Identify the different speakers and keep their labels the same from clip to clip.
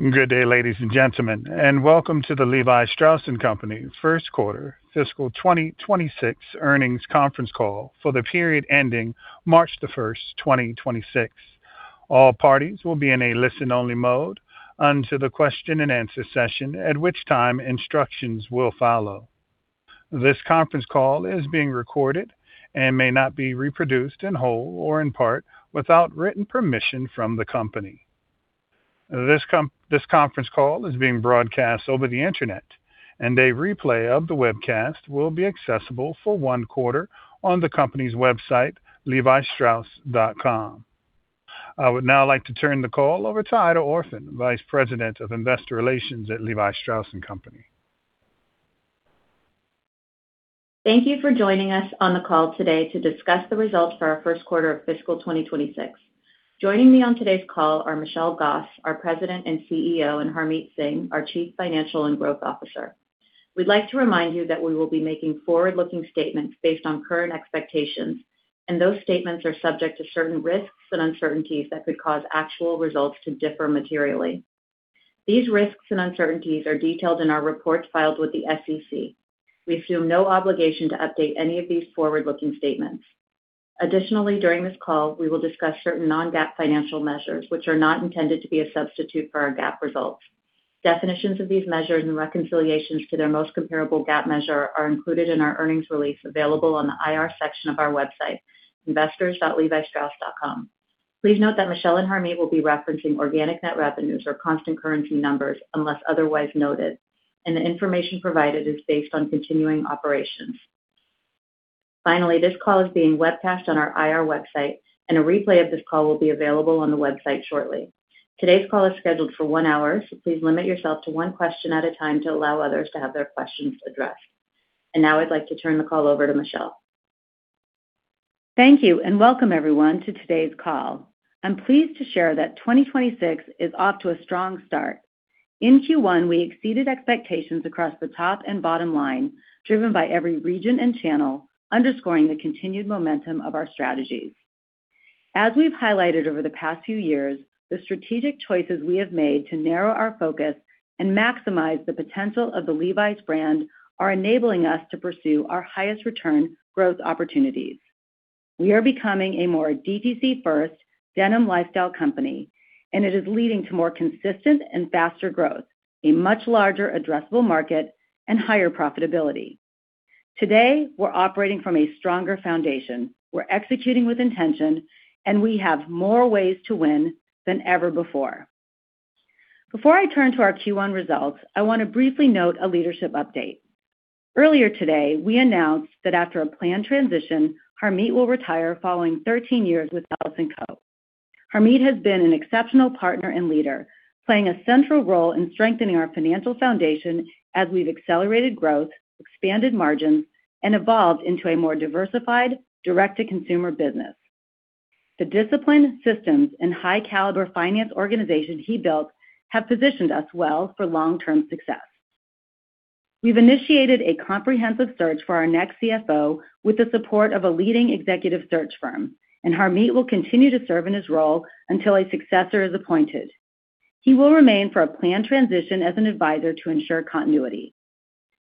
Speaker 1: Good day, ladies and gentlemen, and welcome to the LEVI STRAUSS & COMPANY first quarter fiscal 2026 earnings conference call for the period ending March the 1st, 2026. All parties will be in a listen-only mode until the question and answer session, at which time instructions will follow. This conference call is being recorded and may not be reproduced in whole or in part without written permission from the company. This conference call is being broadcast over the internet, and a replay of the webcast will be accessible for one quarter on the company's website, levistrauss.com. I would now like to turn the call over to Aida Orphan, Vice President of Investor Relations at LEVI STRAUSS & COMPANY.
Speaker 2: Thank you for joining us on the call today to discuss the results for our first quarter of fiscal 2026. Joining me on today's call are Michelle Gass, our President and CEO, and Harmit Singh, our Chief Financial and Growth Officer. We'd like to remind you that we will be making forward-looking statements based on current expectations, and those statements are subject to certain risks and uncertainties that could cause actual results to differ materially. These risks and uncertainties are detailed in our reports filed with the SEC. We assume no obligation to update any of these forward-looking statements. Additionally, during this call, we will discuss certain non-GAAP financial measures, which are not intended to be a substitute for our GAAP results. Definitions of these measures and reconciliations to their most comparable GAAP measure are included in our earnings release available on the IR section of our website, investors.levistrauss.com. Please note that Michelle and Harmit will be referencing organic net revenues or constant currency numbers unless otherwise noted, and the information provided is based on continuing operations. Finally, this call is being webcast on our IR website, and a replay of this call will be available on the website shortly. Today's call is scheduled for one hour, so please limit yourself to one question at a time to allow others to have their questions addressed. Now I'd like to turn the call over to Michelle.
Speaker 3: Thank you, and welcome everyone to today's call. I'm pleased to share that 2026 is off to a strong start. In Q1, we exceeded expectations across the top and bottom line, driven by every region and channel, underscoring the continued momentum of our strategies. As we've highlighted over the past few years, the strategic choices we have made to narrow our focus and maximize the potential of the LEVI'S brand are enabling us to pursue our highest return growth opportunities. We are becoming a more DTC-first denim lifestyle company, and it is leading to more consistent and faster growth, a much larger addressable market, and higher profitability. Today, we're operating from a stronger foundation. We're executing with intention, and we have more ways to win than ever before. Before I turn to our Q1 results, I want to briefly note a leadership update. Earlier today, we announced that after a planned transition, Harmit will retire following 13 years with LEVI STRAUSS & CO. Harmit has been an exceptional partner and leader, playing a central role in strengthening our financial foundation as we've accelerated growth, expanded margins, and evolved into a more diversified direct-to-consumer business. The disciplined systems and high-caliber finance organization he built have positioned us well for long-term success. We've initiated a comprehensive search for our next CFO with the support of a leading executive search firm, and Harmit will continue to serve in his role until a successor is appointed. He will remain for a planned transition as an advisor to ensure continuity.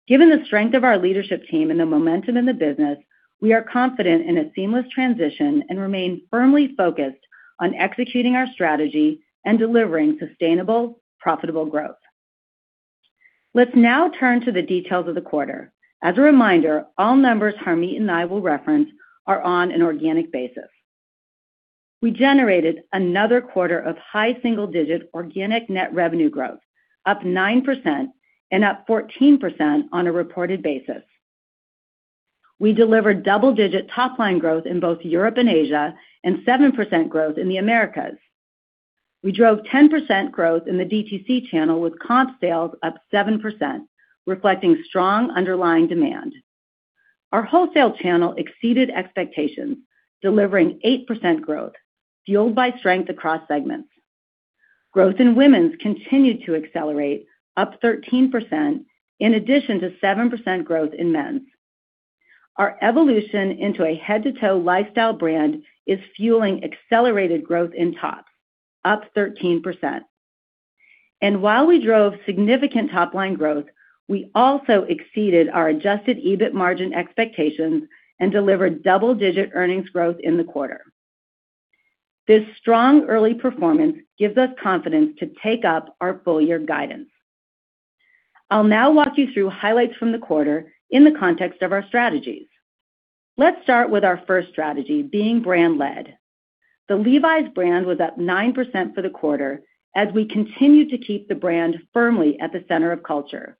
Speaker 3: Given the strength of our leadership team and the momentum in the business, we are confident in a seamless transition and remain firmly focused on executing our strategy and delivering sustainable, profitable growth. Let's now turn to the details of the quarter. As a reminder, all numbers Harmit and I will reference are on an organic basis. We generated another quarter of high single-digit organic net revenue growth, up 9% and up 14% on a reported basis. We delivered double-digit top-line growth in both Europe and Asia and 7% growth in the Americas. We drove 10% growth in the DTC channel with comp sales up 7%, reflecting strong underlying demand. Our wholesale channel exceeded expectations, delivering 8% growth fueled by strength across segments. Growth in Women's continued to accelerate, up 13%, in addition to 7% growth in Men's. Our evolution into a head-to-toe lifestyle brand is fueling accelerated growth in Tops, up 13%. While we drove significant top-line growth, we also exceeded our adjusted EBIT margin expectations and delivered double-digit earnings growth in the quarter. This strong early performance gives us confidence to take up our full-year guidance. I'll now walk you through highlights from the quarter in the context of our strategies. Let's start with our first strategy, being brand led. The LEVI'S brand was up 9% for the quarter as we continue to keep the brand firmly at the center of culture.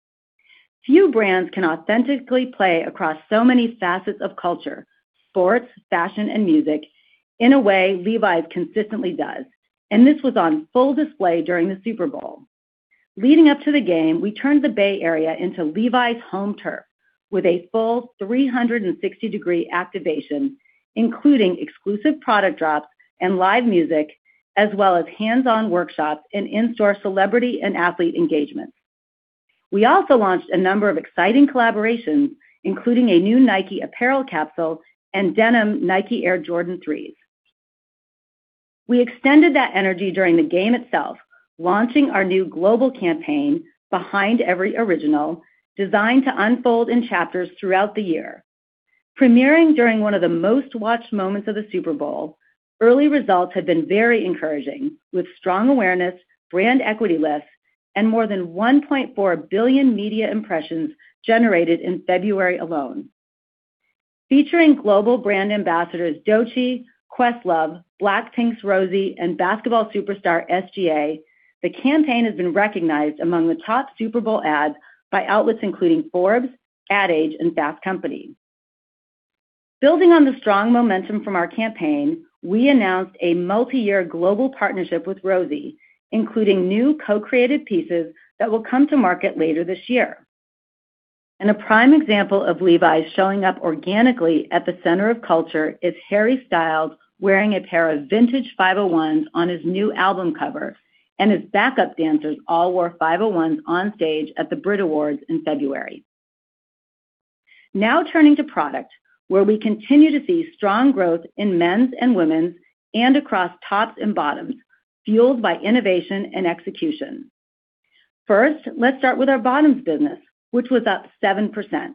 Speaker 3: Few brands can authentically play across so many facets of culture, sports, fashion, and music in a way LEVI'S consistently does. This was on full display during the Super Bowl. Leading up to the game, we turned the Bay Area into LEVI'S home turf with a full 360-degree activation, including exclusive product drops and live music, as well as hands-on workshops and in-store celebrity and athlete engagements. We also launched a number of exciting collaborations, including a new NIKE apparel capsule and denim Nike Air Jordan 3. We extended that energy during the game itself, launching our new global campaign, Behind Every Original, designed to unfold in chapters throughout the year. Premiering during one of the most-watched moments of the Super Bowl, early results have been very encouraging, with strong awareness, brand equity lifts, and more than 1.4 billion media impressions generated in February alone. Featuring global brand ambassadors Doechii, Questlove, BLACKPINK's Rosé, and basketball superstar SGA, the campaign has been recognized among the top Super Bowl ads by outlets including Forbes, Ad Age, and Fast Company. Building on the strong momentum from our campaign, we announced a multi-year global partnership with Rosé, including new co-created pieces that will come to market later this year. A prime example of LEVI'S showing up organically at the center of culture is Harry Styles wearing a pair of vintage 501s on his new album cover, and his backup dancers all wore 501s on stage at the BRIT Awards in February. Now turning to product, where we continue to see strong growth in Men's and Women's and across Tops and Bottoms, fueled by innovation and execution. First, let's start with our bottoms business, which was up 7%.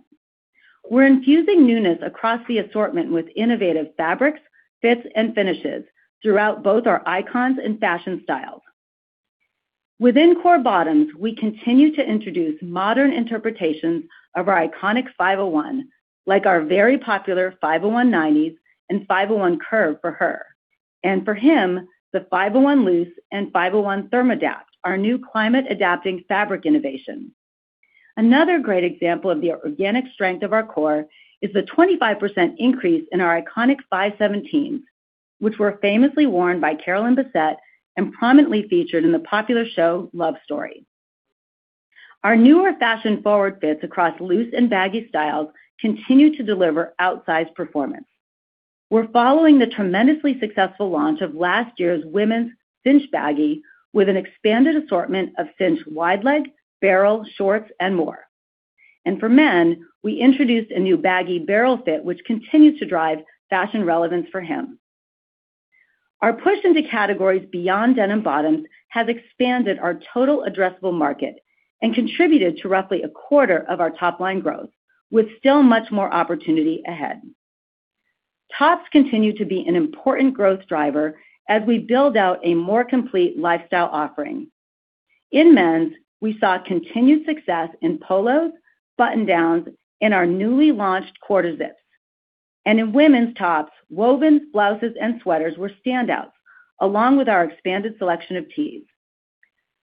Speaker 3: We're infusing newness across the assortment with innovative fabrics, fits, and finishes throughout both our icons and fashion styles. Within core bottoms, we continue to introduce modern interpretations of our iconic 501, like our very popular 501 1990s and 501 Curve for her. And for him, the 501 Loose and 501 Thermodapt, our new climate-adapting fabric innovation. Another great example of the organic strength of our core is the 25% increase in our iconic 517, which were famously worn by Carolyn Bessette and prominently featured in the popular show, "Love Story." Our newer fashion-forward fits across Loose and Baggy styles continue to deliver outsized performance. We're following the tremendously successful launch of last year's Women's Cinch Baggy with an expanded assortment of Cinch Wide-Leg, Barrel, Short, and more. For Men, we introduced a new Baggy Barrel fit, which continues to drive fashion relevance for him. Our push into categories beyond denim bottoms has expanded our total addressable market and contributed to roughly 1/4 of our top-line growth, with still much more opportunity ahead. Tops continue to be an important growth driver as we build out a more complete lifestyle offering. In Men's, we saw continued success in Polos, Button Downs, and our newly launched Quarter Zip. In Women's Tops, Woven, Blouses and Sweaters were standouts, along with our expanded selection of Tees.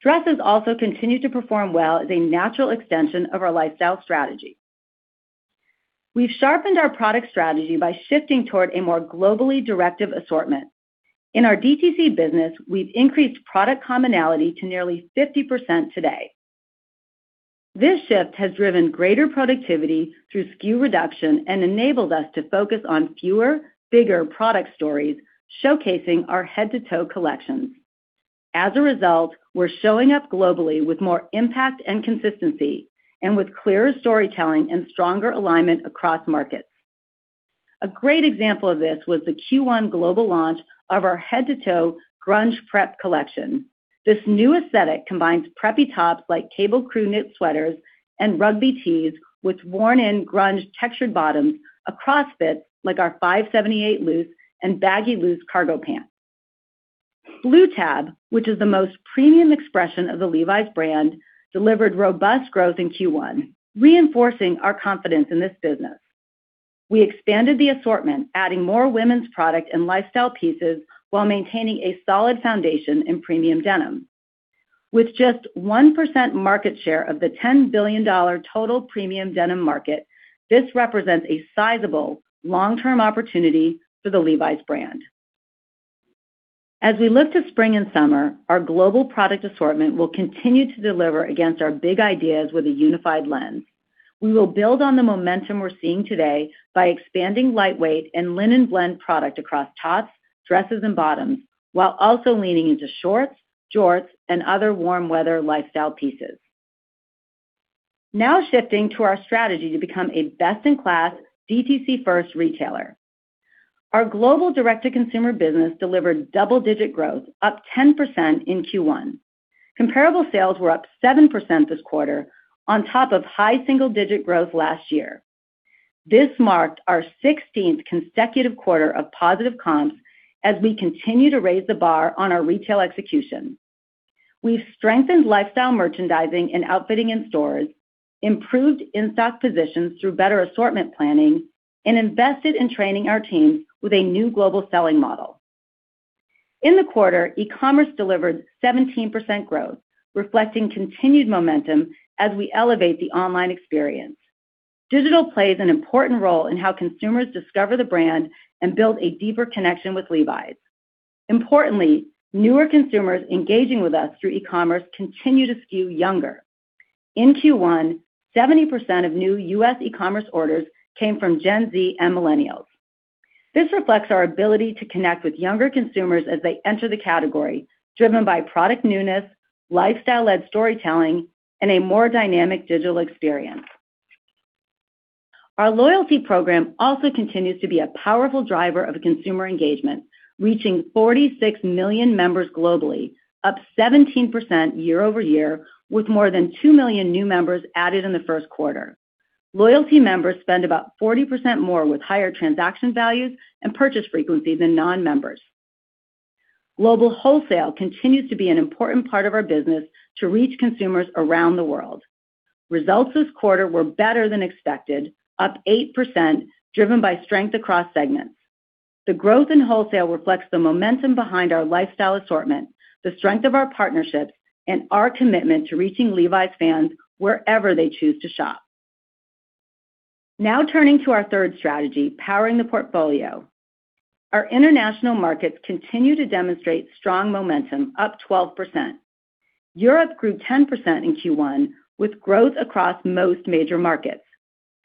Speaker 3: Dresses also continued to perform well as a natural extension of our lifestyle strategy. We've sharpened our product strategy by shifting toward a more globally directive assortment. In our DTC business, we've increased product commonality to nearly 50% today. This shift has driven greater productivity through SKU reduction and enabled us to focus on fewer, bigger product stories, showcasing our head-to-toe collections. As a result, we're showing up globally with more impact and consistency and with clearer storytelling and stronger alignment across markets. A great example of this was the Q1 global launch of our head-to-toe Grunge Prep collection. This new aesthetic combines preppy tops like Cable Crewneck Sweaters and Rugby Tees with worn-in grunge textured bottoms across fits like our 578 Loose and Baggy loose Cargo Pants. Blue Tab, which is the most premium expression of the LEVI'S brand, delivered robust growth in Q1, reinforcing our confidence in this business. We expanded the assortment, adding more women's product and lifestyle pieces while maintaining a solid foundation in premium denim. With just 1% market share of the $10 billion total premium denim market, this represents a sizable long-term opportunity for the LEVI'S brand. As we look to spring and summer, our global product assortment will continue to deliver against our big ideas with a unified lens. We will build on the momentum we're seeing today by expanding lightweight and linen blend product across tops, dresses, and bottoms, while also leaning into shorts, jorts, and other warm weather lifestyle pieces. Now shifting to our strategy to become a best-in-class, DTC first retailer. Our global direct-to-consumer business delivered double-digit growth, up 10% in Q1. Comparable sales were up 7% this quarter on top of high single-digit growth last year. This marked our 16th consecutive quarter of positive comps as we continue to raise the bar on our retail execution. We've strengthened lifestyle merchandising and outfitting in stores, improved in-stock positions through better assortment planning, and invested in training our teams with a new global selling model. In the quarter, e-commerce delivered 17% growth, reflecting continued momentum as we elevate the online experience. Digital plays an important role in how consumers discover the brand and build a deeper connection with LEVI'S. Importantly, newer consumers engaging with us through e-commerce continue to skew younger. In Q1, 70% of new U.S. e-commerce orders came from gen Z and millennials. This reflects our ability to connect with younger consumers as they enter the category, driven by product newness, lifestyle-led storytelling, and a more dynamic digital experience. Our loyalty program also continues to be a powerful driver of consumer engagement, reaching 46 million members globally, up 17% year-over-year, with more than two million new members added in the first quarter. Loyalty members spend about 40% more with higher transaction values and purchase frequency than non-members. Global wholesale continues to be an important part of our business to reach consumers around the world. Results this quarter were better than expected, up 8%, driven by strength across segments. The growth in wholesale reflects the momentum behind our lifestyle assortment, the strength of our partnerships, and our commitment to reaching LEVI'S fans wherever they choose to shop. Now turning to our third strategy, powering the portfolio. Our international markets continue to demonstrate strong momentum, up 12%. Europe grew 10% in Q1, with growth across most major markets.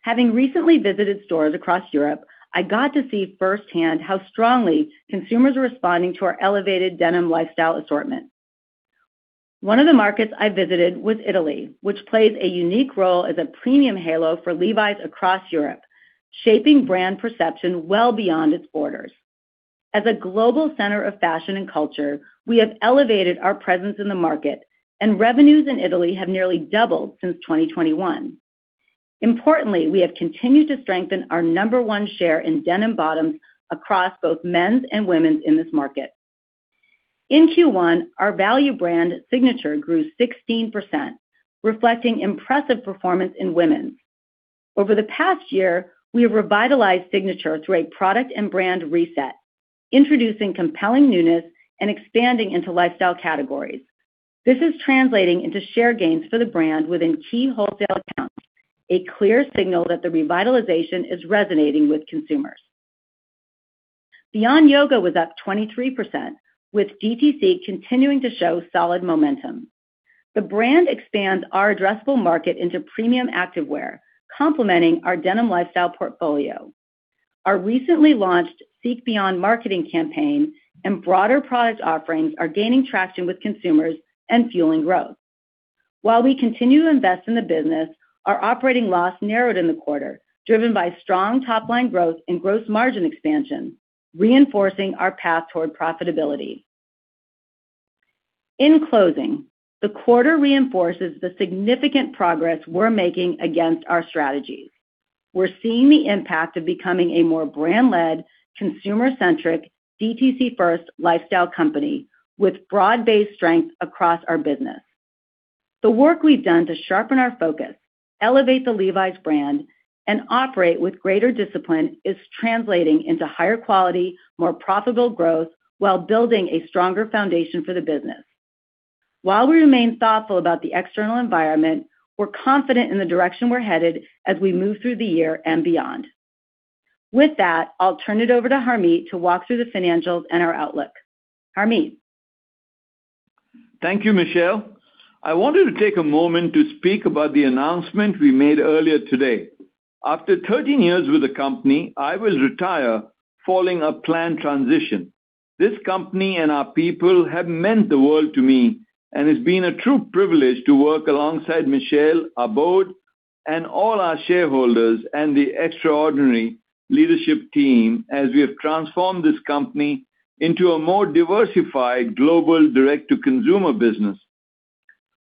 Speaker 3: Having recently visited stores across Europe, I got to see firsthand how strongly consumers are responding to our elevated denim lifestyle assortment. One of the markets I visited was Italy, which plays a unique role as a premium halo for LEVI'S across Europe, shaping brand perception well beyond its borders. As a global center of fashion and culture, we have elevated our presence in the market, and revenues in Italy have nearly doubled since 2021. Importantly, we have continued to strengthen our number one share in denim bottoms across both men's and women's in this market. In Q1, our value brand SIGNATURE grew 16%, reflecting impressive performance in women's. Over the past year, we have revitalized SIGNATURE through a product and brand reset, introducing compelling newness and expanding into lifestyle categories. This is translating into share gains for the brand within key wholesale accounts, a clear signal that the revitalization is resonating with consumers. Beyond Yoga was up 23%, with DTC continuing to show solid momentum. The brand expands our addressable market into premium activewear, complementing our denim lifestyle portfolio. Our recently launched Seek Beyond marketing campaign and broader product offerings are gaining traction with consumers and fueling growth. While we continue to invest in the business, our operating loss narrowed in the quarter, driven by strong top-line growth and gross margin expansion, reinforcing our path toward profitability. In closing, the quarter reinforces the significant progress we're making against our strategies. We're seeing the impact of becoming a more brand-led, consumer-centric, DTC first lifestyle company with broad-based strength across our business. The work we've done to sharpen our focus, elevate the LEVI'S brand, and operate with greater discipline is translating into higher quality, more profitable growth while building a stronger foundation for the business. While we remain thoughtful about the external environment, we're confident in the direction we're headed as we move through the year and beyond. With that, I'll turn it over to Harmit to walk through the financials and our outlook. Harmit.
Speaker 4: Thank you, Michelle. I wanted to take a moment to speak about the announcement we made earlier today. After 13 years with the company, I will retire following a planned transition. This company and our people have meant the world to me, and it's been a true privilege to work alongside Michelle, our board, and all our shareholders, and the extraordinary leadership team as we have transformed this company into a more diversified global direct-to-consumer business.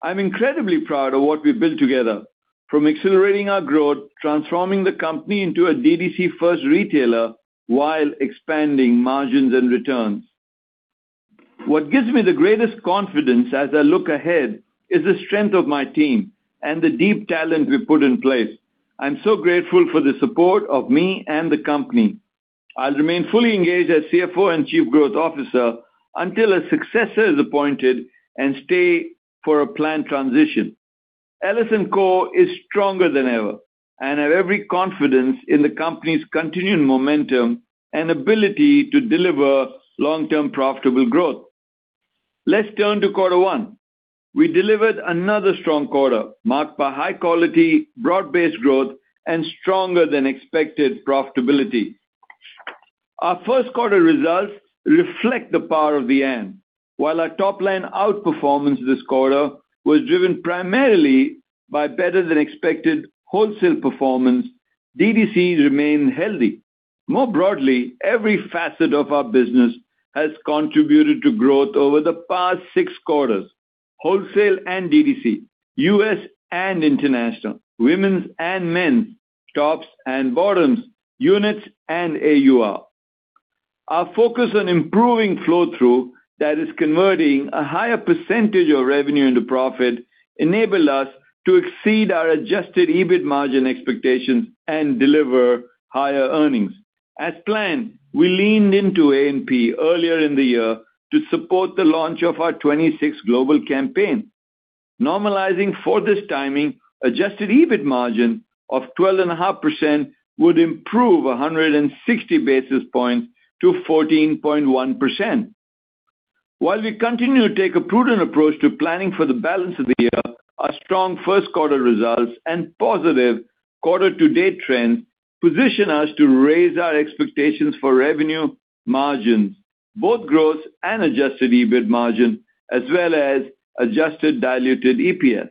Speaker 4: I'm incredibly proud of what we've built together from accelerating our growth, transforming the company into a DTC first retailer while expanding margins and returns. What gives me the greatest confidence as I look ahead is the strength of my team and the deep talent we've put in place. I'm so grateful for the support of me and the company. I'll remain fully engaged as CFO and Chief Growth Officer until a successor is appointed and stay for a planned transition. LS&Co is stronger than ever, and I have every confidence in the company's continued momentum and ability to deliver long-term profitable growth. Let's turn to quarter one. We delivered another strong quarter, marked by high-quality, broad-based growth, and stronger than expected profitability. Our first quarter results reflect the power of the and. While our top line outperformance this quarter was driven primarily by better than expected wholesale performance, DTCs remain healthy. More broadly, every facet of our business has contributed to growth over the past six quarters. Wholesale and DTC, U.S. and international, women's and men's, tops and bottoms, units and AUR. Our focus on improving flow-through that is converting a higher percentage of revenue into profit enabled us to exceed our adjusted EBIT margin expectations and deliver higher earnings. As planned, we leaned into A&P earlier in the year to support the launch of our 26th global campaign. Normalizing for this timing, adjusted EBIT margin of 12.5% would improve 160 basis points to 14.1%. While we continue to take a prudent approach to planning for the balance of the year, our strong first quarter results and positive quarter to date trends position us to raise our expectations for revenue margins, both gross and adjusted EBIT margin, as well as adjusted diluted EPS.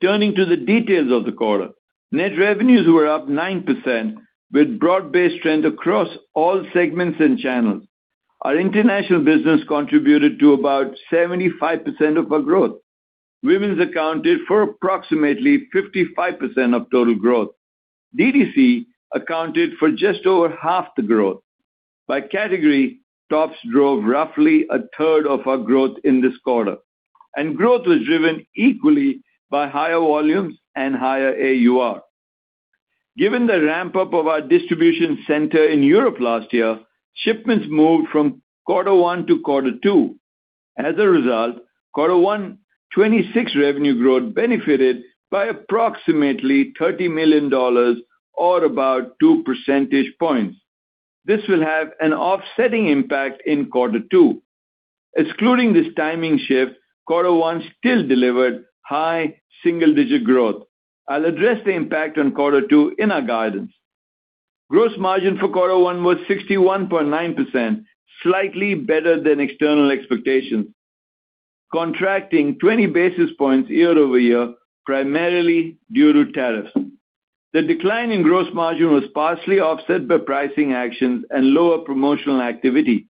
Speaker 4: Turning to the details of the quarter. Net revenues were up 9% with broad-based trend across all segments and channels. Our international business contributed to about 75% of our growth. Women's accounted for approximately 55% of total growth. DTC accounted for just over half the growth. By category, Tops drove roughly 1/3 of our growth in this quarter, and growth was driven equally by higher volumes and higher AUR. Given the ramp-up of our distribution center in Europe last year, shipments moved from quarter one to quarter two. As a result, quarter one 2026 revenue growth benefited by approximately $30 million or about 2 percentage points. This will have an offsetting impact in quarter two. Excluding this timing shift, quarter one still delivered high single digit growth. I'll address the impact on quarter two in our guidance. Gross margin for quarter one was 61.9%, slightly better than external expectations, contracting 20 basis points year-over-year, primarily due to tariffs. The decline in gross margin was partially offset by pricing actions and lower promotional activity.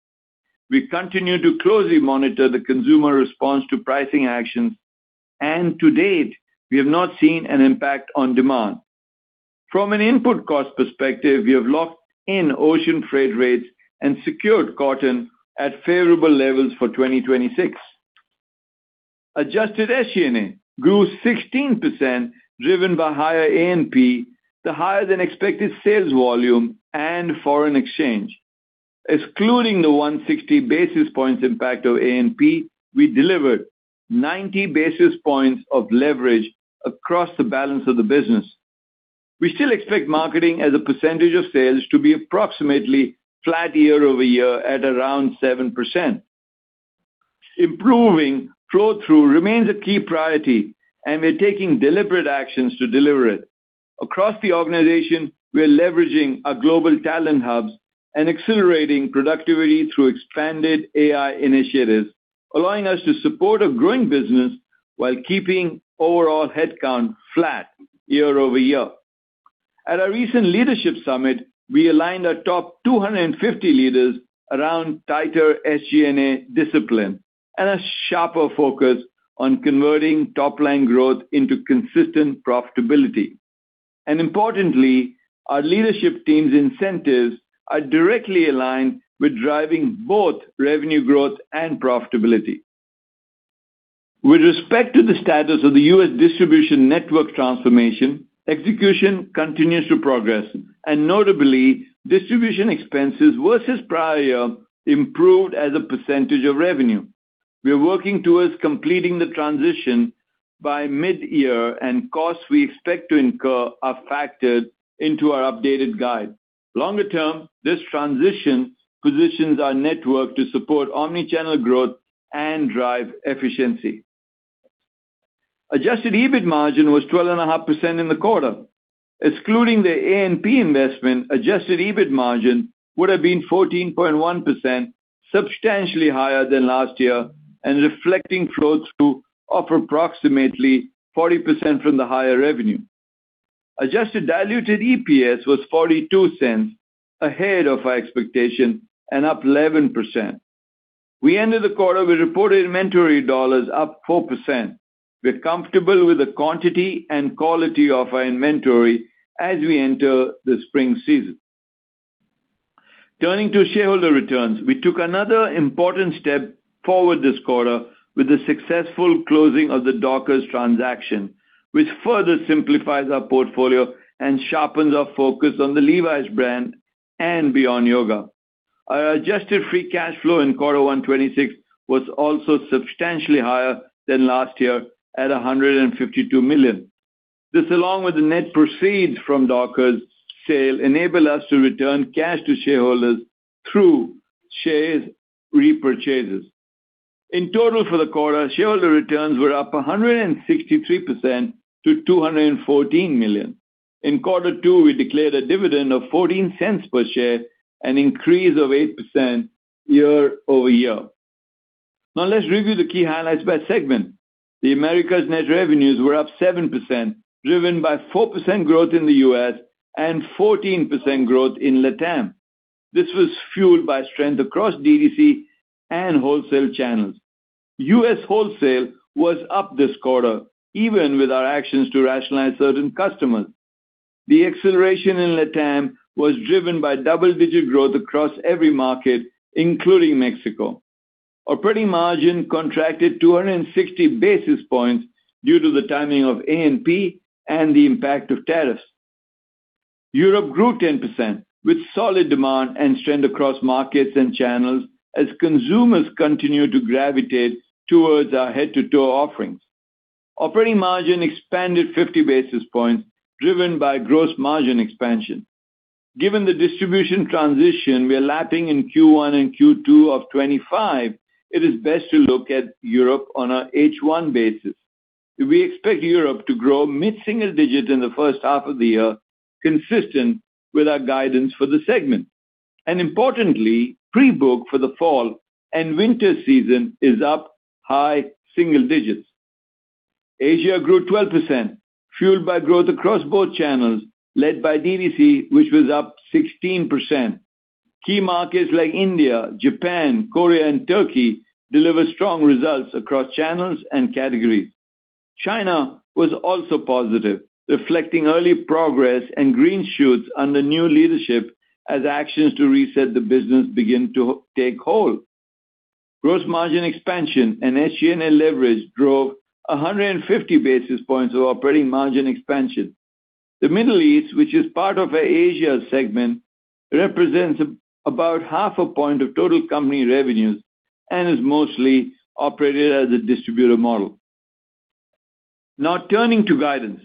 Speaker 4: We continued to closely monitor the consumer response to pricing actions, and to date, we have not seen an impact on demand. From an input cost perspective, we have locked in ocean freight rates and secured cotton at favorable levels for 2026. Adjusted SG&A grew 16%, driven by higher A&P, the higher-than-expected sales volume, and foreign exchange. Excluding the 160 basis points impact of A&P, we delivered 90 basis points of leverage across the balance of the business. We still expect marketing as a percentage of sales to be approximately flat year-over-year at around 7%. Improving flow-through remains a key priority, and we're taking deliberate actions to deliver it. Across the organization, we are leveraging our global talent hubs and accelerating productivity through expanded AI initiatives, allowing us to support a growing business while keeping overall headcount flat year-over-year. At our recent leadership summit, we aligned our top 250 leaders around tighter SG&A discipline and a sharper focus on converting top-line growth into consistent profitability. Importantly, our leadership team's incentives are directly aligned with driving both revenue growth and profitability. With respect to the status of the U.S. distribution network transformation, execution continues to progress and notably, distribution expenses versus prior year improved as a percentage of revenue. We are working towards completing the transition by mid-year and costs we expect to incur are factored into our updated guide. Longer term, this transition positions our network to support omnichannel growth and drive efficiency. Adjusted EBIT margin was 12.5% in the quarter. Excluding the A&P investment, adjusted EBIT margin would have been 14.1%, substantially higher than last year and reflecting flow-through of approximately 40% from the higher revenue. Adjusted diluted EPS was $0.42 ahead of our expectation and up 11%. We ended the quarter with reported inventory dollars up 4%. We are comfortable with the quantity and quality of our inventory as we enter the spring season. Turning to shareholder returns. We took another important step forward this quarter with the successful closing of the Dockers transaction, which further simplifies our portfolio and sharpens our focus on the LEVI'S brand and Beyond Yoga. Our adjusted free cash flow in quarter one 2026 was also substantially higher than last year at $152 million. This, along with the net proceeds from Dockers sale, enable us to return cash to shareholders through shares repurchases. In total, for the quarter, shareholder returns were up 163% to $214 million. In quarter two, we declared a dividend of $0.14 per share, an increase of 8% year-over-year. Now let's review the key highlights by segment. The Americas net revenues were up 7%, driven by 4% growth in the U.S. and 14% growth in LATAM. This was fueled by strength across DTC and wholesale channels. U.S. wholesale was up this quarter even with our actions to rationalize certain customers. The acceleration in LATAM was driven by double-digit growth across every market, including Mexico. Operating margin contracted 260 basis points due to the timing of A&P and the impact of tariffs. Europe grew 10% with solid demand and trend across markets and channels as consumers continue to gravitate towards our head-to-toe offerings. Operating margin expanded 50 basis points driven by gross margin expansion. Given the distribution transition we are lapping in Q1 and Q2 of 2025, it is best to look at Europe on a H1 basis. We expect Europe to grow mid-single-digit in the first half of the year, consistent with our guidance for the segment. Importantly, pre-book for the fall and winter season is up high single digits. Asia grew 12%, fueled by growth across both channels, led by DTC, which was up 16%. Key markets like India, Japan, Korea, and Turkey delivered strong results across channels and categories. China was also positive, reflecting early progress and green shoots under new leadership as actions to reset the business begin to take hold. Gross margin expansion and SG&A leverage drove 150 basis points of operating margin expansion. The Middle East, which is part of our Asia segment, represents about 0.5 point of total company revenues and is mostly operated as a distributor model. Now turning to guidance.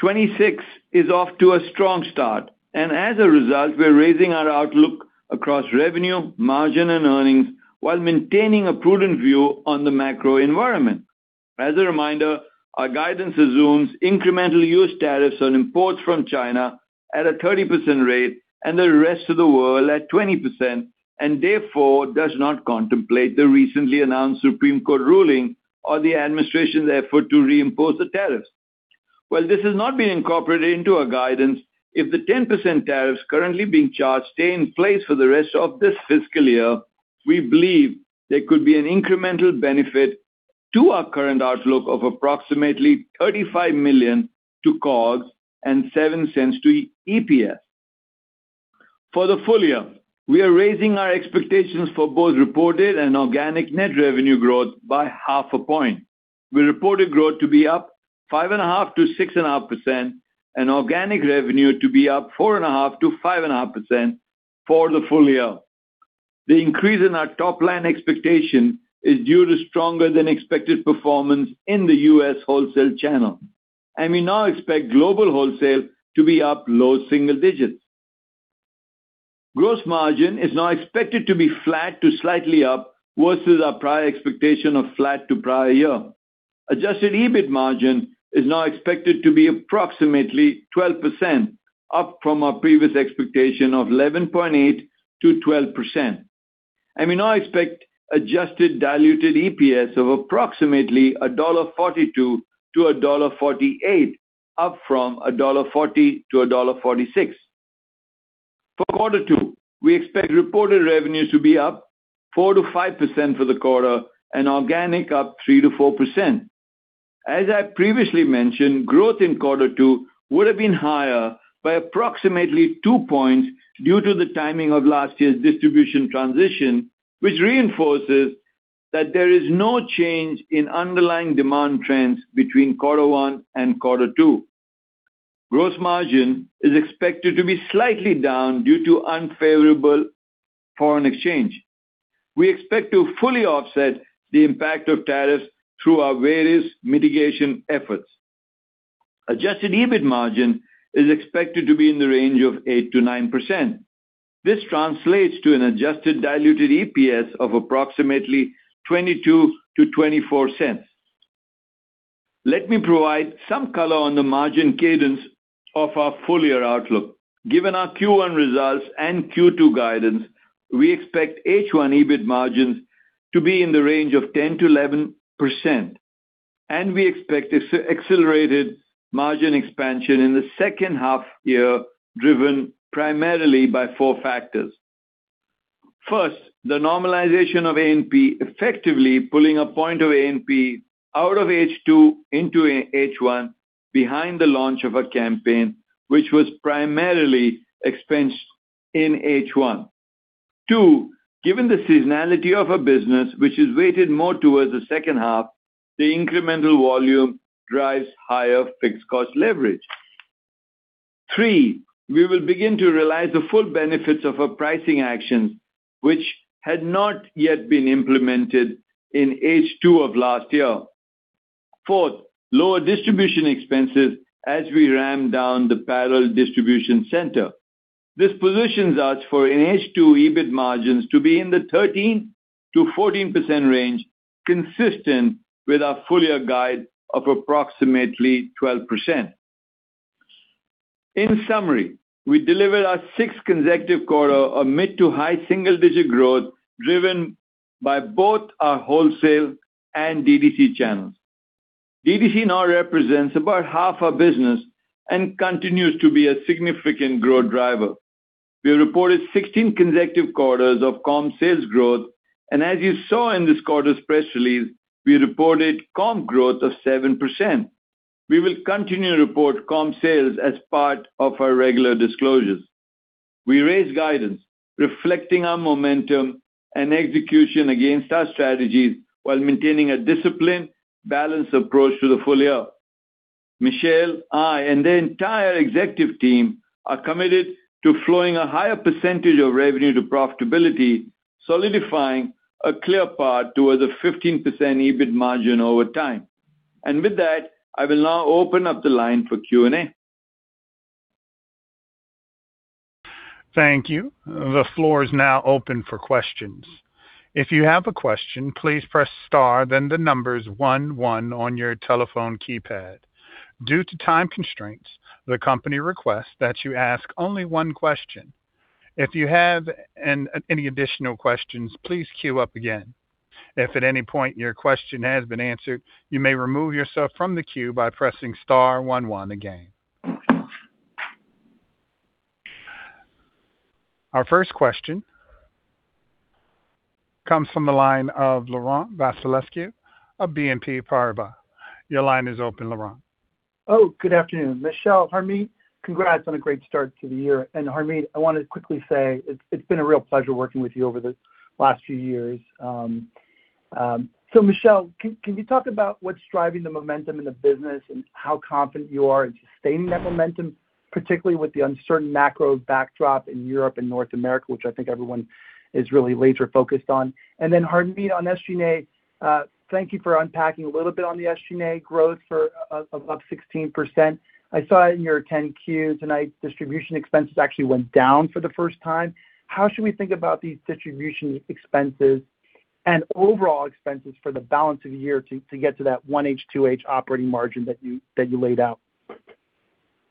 Speaker 4: 2026 is off to a strong start. As a result, we're raising our outlook across revenue, margin and earnings while maintaining a prudent view on the macro environment. As a reminder, our guidance assumes incremental U.S. tariffs on imports from China at a 30% rate and the rest of the world at 20%, and therefore does not contemplate the recently announced Supreme Court ruling or the administration's effort to reimpose the tariffs. While this has not been incorporated into our guidance, if the 10% tariffs currently being charged stay in place for the rest of this fiscal year, we believe there could be an incremental benefit to our current outlook of approximately $35 million to COGS and $0.07 to EPS. For the full year, we are raising our expectations for both reported and organic net revenue growth by 0.5 point. We reported growth to be up 5.5%-6.5% and organic revenue to be up 4.5%-5.5% for the full year. The increase in our top-line expectation is due to stronger than expected performance in the U.S. wholesale channel. We now expect global wholesale to be up low single digits. Gross margin is now expected to be flat to slightly up versus our prior expectation of flat to prior year. Adjusted EBIT margin is now expected to be approximately 12%, up from our previous expectation of 11.8%-12%. We now expect adjusted diluted EPS of approximately $1.42-$1.48, up from $1.40-$1.46. For quarter two, we expect reported revenues to be up 4%-5% for the quarter and organic up 3%-4%. As I previously mentioned, growth in quarter two would have been higher by approximately 2 points due to the timing of last year's distribution transition, which reinforces that there is no change in underlying demand trends between quarter one and quarter two. Gross margin is expected to be slightly down due to unfavorable foreign exchange. We expect to fully offset the impact of tariffs through our various mitigation efforts. Adjusted EBIT margin is expected to be in the range of 8%-9%. This translates to an adjusted diluted EPS of approximately $0.22-$0.24. Let me provide some color on the margin cadence of our full-year outlook. Given our Q1 results and Q2 guidance, we expect H1 EBIT margins to be in the range of 10%-11%, and we expect accelerated margin expansion in the second half year, driven primarily by four factors. First, the normalization of A&P, effectively pulling a point of A&P out of H2 into H1 behind the launch of a campaign which was primarily expensed in H1. Two, given the seasonality of our business, which is weighted more towards the second half, the incremental volume drives higher fixed cost leverage. Three, we will begin to realize the full benefits of our pricing actions, which had not yet been implemented in H2 of last year. Fourth, lower distribution expenses as we ramp down the parallel distribution center. This positions us for an H2 EBIT margin to be in the 13%-14% range, consistent with our full-year guide of approximately 12%. In summary, we delivered our sixth consecutive quarter of mid- to high single-digit growth, driven by both our wholesale and DTC channels. DTC now represents about 50% our business and continues to be a significant growth driver. We reported 16 consecutive quarters of comp sales growth. As you saw in this quarter's press release, we reported comp growth of 7%. We will continue to report comp sales as part of our regular disclosures. We raised guidance reflecting our momentum and execution against our strategies while maintaining a disciplined, balanced approach to the full year. Michelle, I, and the entire executive team are committed to flowing a higher percentage of revenue to profitability, solidifying a clear path towards a 15% EBIT margin over time. With that, I will now open up the line for Q&A.
Speaker 1: Thank you. The floor is now open for questions. If you have a question, please press star then the numbers one one on your telephone keypad. Due to time constraints, the company requests that you ask only one question. If you have any additional questions, please queue up again. If at any point your question has been answered, you may remove yourself from the queue by pressing star one one again. Our first question comes from the line of Laurent Vasilescu of BNP Paribas. Your line is open, Laurent.
Speaker 5: Oh, good afternoon. Michelle, Harmit, congrats on a great start to the year. Harmit, I want to quickly say it's been a real pleasure working with you over the last few years. Michelle, can you talk about what's driving the momentum in the business and how confident you are in sustaining that momentum, particularly with the uncertain macro backdrop in Europe and North America, which I think everyone is really laser-focused on. Harmit, on SG&A, thank you for unpacking a little bit on the SG&A growth above 16%. I saw it in your 10-Qs tonight. Distribution expenses actually went down for the first time. How should we think about these distribution expenses and overall expenses for the balance of the year to get to that 1H, 2H operating margin that you laid out?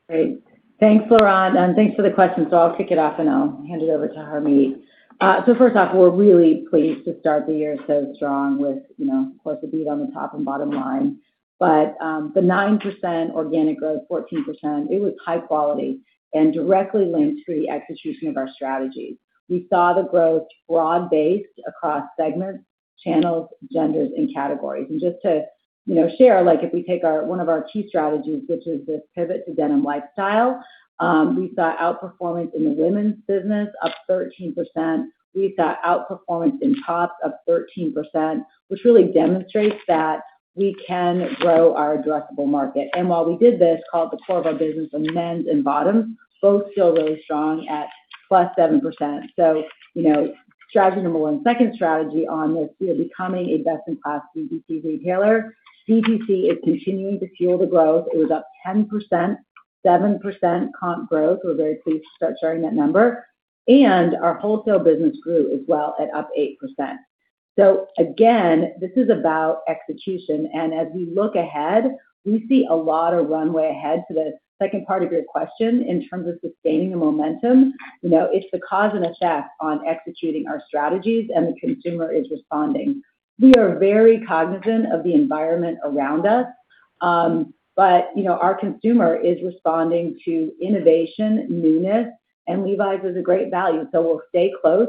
Speaker 3: Great. Thanks, Laurent, and thanks for the question. I'll kick it off, and I'll hand it over to Harmit. First off, we're really pleased to start the year so strong with, of course, a beat on the top and bottom line. The 9% organic growth, 14%, it was high quality and directly linked to the execution of our strategies. We saw the growth broad-based across segments, channels, genders, and categories. Just to share, if we take one of our key strategies, which is this pivot to denim lifestyle, we saw outperformance in the Women's business up 13%. We saw outperformance in Tops up 13%, which really demonstrates that we can grow our addressable market. While we did this, called the core of our business in Men's and Bottoms, both still really strong at +7%, so you know, strategy number one. Second strategy on this, we are becoming a best-in-class D2C retailer. D2C is continuing to fuel the growth. It was up 10%, 7% comp growth. We're very pleased to start sharing that number. Our wholesale business grew as well at up 8%. Again, this is about execution. As we look ahead, we see a lot of runway ahead. To the second part of your question in terms of sustaining the momentum, it's the cause and effect on executing our strategies, and the consumer is responding. We are very cognizant of the environment around us. Our consumer is responding to innovation, newness, and LEVI'S is a great value, so we'll stay close.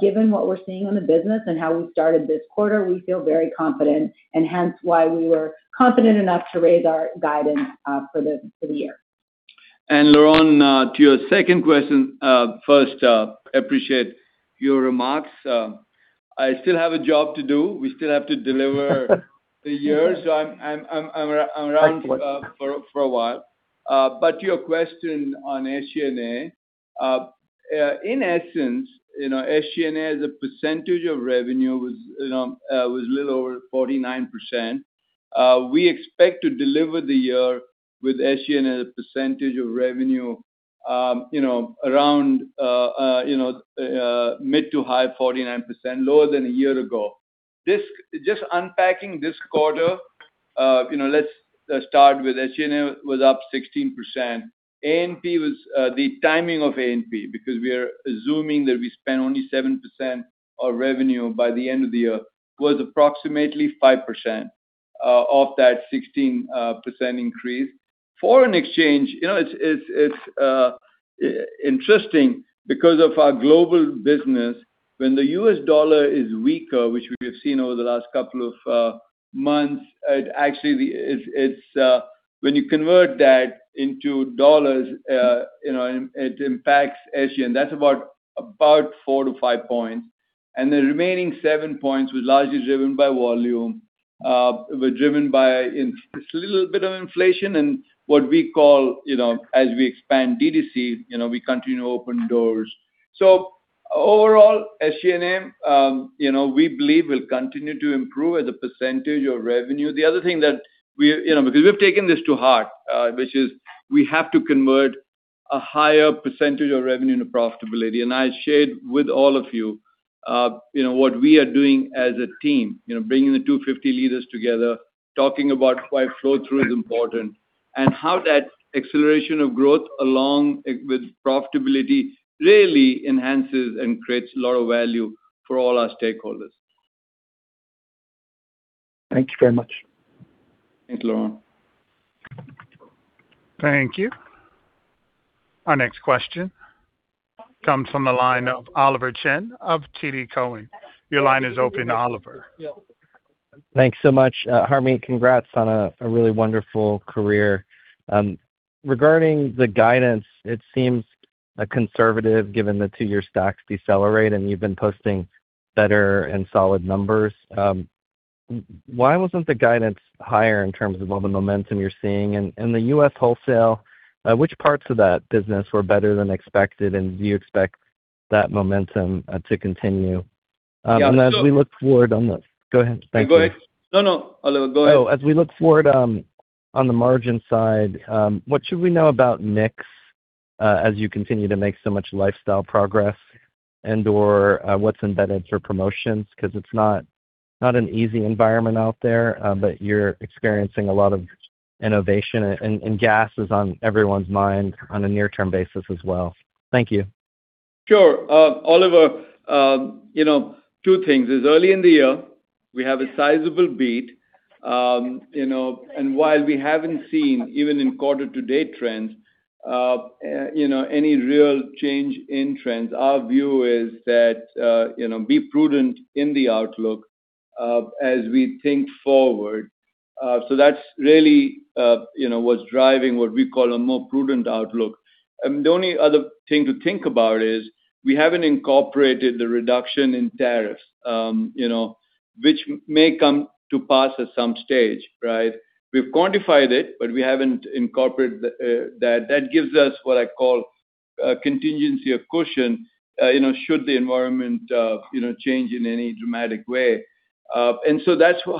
Speaker 3: Given what we're seeing in the business and how we started this quarter, we feel very confident and hence why we were confident enough to raise our guidance up for the year.
Speaker 4: Laurent, to your second question, first, I appreciate your remarks. I still have a job to do. We still have to deliver the year. I'm around for a while. To your question on SG&A. In essence, you know, SG&A as a percentage of revenue was a little over 49%. We expect to deliver the year with SG&A as a percentage of revenue around mid- to high 49%, lower than a year ago. Just unpacking this quarter, let's start with SG&A was up 16%. A&P was, the timing of A&P, because we are assuming that we spend only 7% of revenue by the end of the year, was approximately 5% of that 16% increase. Foreign exchange, it's interesting because of our global business. When the U.S. dollar is weaker, which we have seen over the last couple of months, when you convert that into dollars, it impacts SG&A. That's about 4-5 points. The remaining 7 points was largely driven by volume, were driven by a little bit of inflation and what we call as we expand D2C, we continue to open doors. Overall, SG&A, you know, we believe will continue to improve as a percentage of revenue. The other thing, because we've taken this to heart, which is we have to convert a higher percentage of revenue into profitability. I shared with all of you what we are doing as a team, bringing the 250 leaders together, talking about why flow-through is important, and how that acceleration of growth along with profitability really enhances and creates a lot of value for all our stakeholders.
Speaker 5: Thank you very much.
Speaker 4: Thanks, Laurent.
Speaker 1: Thank you. Our next question comes from the line of Oliver Chen of TD Cowen. Your line is open, Oliver.
Speaker 6: Thanks so much. Harmit, congrats on a really wonderful career. Regarding the guidance, it seems conservative given the two-year comps decelerate, and you've been posting better and solid numbers. Why wasn't the guidance higher in terms of all the momentum you're seeing? In the U.S. wholesale, which parts of that business were better than expected, and do you expect that momentum to continue?
Speaker 4: Yeah so.
Speaker 6: As we look forward on the. Go ahead, thank you.
Speaker 4: No, no. Oliver, go ahead.
Speaker 6: As we look forward on the margin side, what should we know about mix as you continue to make so much lifestyle progress and/or what's embedded for promotions? Because it's not an easy environment out there, but you're experiencing a lot of innovation, and Gass is on everyone's mind on a near-term basis as well. Thank you.
Speaker 4: Sure. Oliver, you know, two things. It's early in the year. We have a sizable beat. While we haven't seen, even in quarter-to-date trends, any real change in trends, our view is to be prudent in the outlook as we think forward. That's really what's driving what we call a more prudent outlook. The only other thing to think about is we haven't incorporated the reduction in tariffs which may come to pass at some stage, right? We've quantified it, but we haven't incorporated that. That gives us what I call a contingency or cushion should the environment change in any dramatic way. That's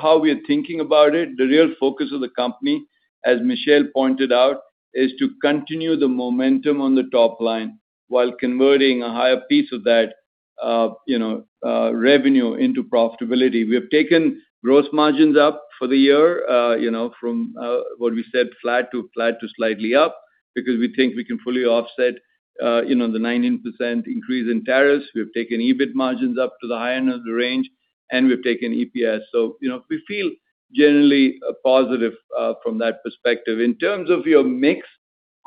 Speaker 4: how we are thinking about it. The real focus of the company, as Michelle pointed out, is to continue the momentum on the top line while converting a higher piece of that revenue into profitability. We have taken gross margins up for the year, from what we said flat to slightly up, because we think we can fully offset the 19% increase in tariffs. We've taken EBIT margins up to the high end of the range, and we've taken EPS. We feel generally positive from that perspective. In terms of your mix,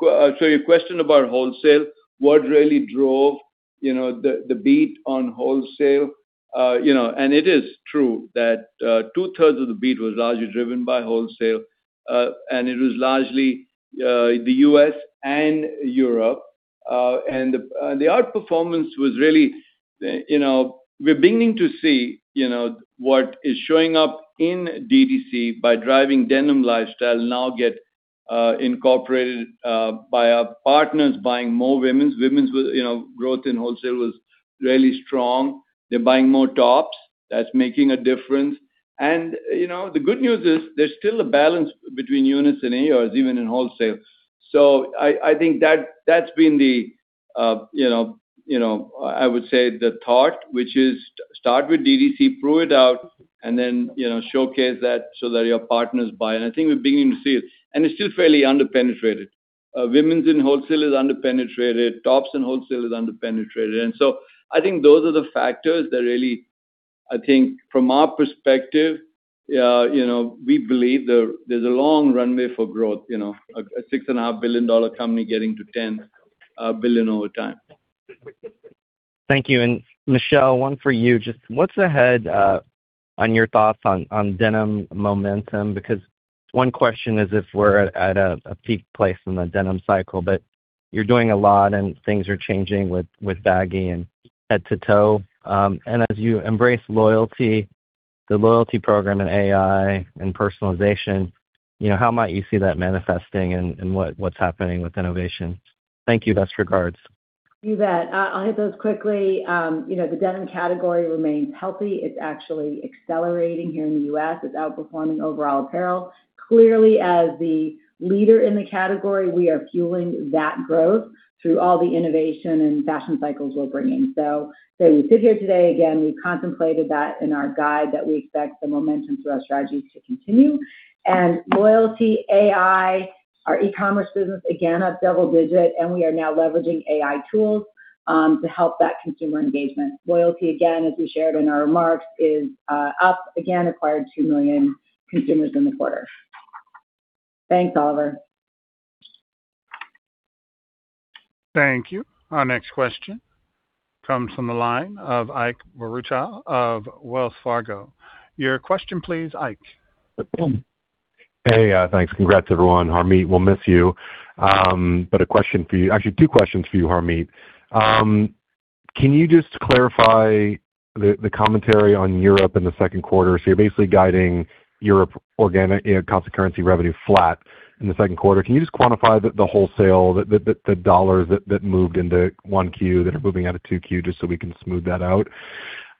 Speaker 4: so your question about wholesale, what really drove the beat on wholesale, and it is true that 2/3s of the beat was largely driven by wholesale. It was largely the U.S. and Europe. The outperformance was really, we're beginning to see what is showing up in DTC by driving denim lifestyle now getting incorporated by our partners buying more women's. Women's growth in wholesale was really strong. They're buying more tops. That's making a difference. The good news is there's still a balance between units and AURs, even in wholesale. I think that's been the, you know, I would say, the thought, which is start with DTC, prove it out, and then showcase that so that your partners buy in. I think we're beginning to see it. It's still fairly under-penetrated. Women's in wholesale is under-penetrated. Tops in wholesale is under-penetrated. I think those are the factors that really, I think from our perspective, we believe there's a long runway for growth. A $6.5 billion company getting to $10 billion over time.
Speaker 6: Thank you. Michelle, one for you. Just what's ahead on your thoughts on denim momentum? Because one question is if we're at a peak place in the denim cycle, but you're doing a lot and things are changing with baggy and head-to-toe. As you embrace loyalty, the loyalty program and AI and personalization, how might you see that manifesting and what's happening with innovation? Thank you best regards.
Speaker 3: You bet. I'll hit those quickly. The denim category remains healthy. It's actually accelerating here in the U.S. It's outperforming overall apparel. Clearly, as the leader in the category, we are fueling that growth through all the innovation and fashion cycles we're bringing. As we sit here today, again, we contemplated that in our guide that we expect the momentum through our strategies to continue. Loyalty, AI, our e-commerce business, again, up double digit, and we are now leveraging AI tools to help that consumer engagement. Loyalty, again, as we shared in our remarks, is up. Again, acquired two million consumers in the quarter. Thanks, Oliver.
Speaker 1: Thank you. Our next question comes from the line of Ike Boruchow of Wells Fargo. Your question please, Ike.
Speaker 7: Hey, thanks. Congrats, everyone. Harmit, we'll miss you. But a question for you. Actually, two questions for you, Harmit. Can you just clarify the commentary on Europe in the second quarter? You're basically guiding Europe organic constant currency revenue flat in the second quarter. Can you just quantify the wholesale, the dollar that moved into 1Q that are moving out of 2Q, just so we can smooth that out?